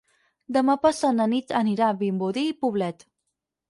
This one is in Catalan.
Demà passat na Nit anirà a Vimbodí i Poblet.